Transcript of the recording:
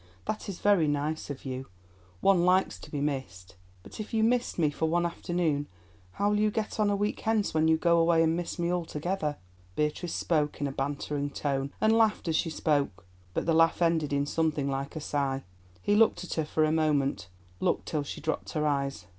That is very nice of you; one likes to be missed. But, if you missed me for one afternoon, how will you get on a week hence when you go away and miss me altogether?" Beatrice spoke in a bantering tone, and laughed as she spoke, but the laugh ended in something like a sigh. He looked at her for a moment, looked till she dropped her eyes.